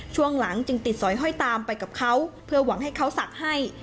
ช่วงหลังจึงติดสอยห้อยตามไปกับเขาเพื่อหวังให้เขาศักดิ์ให้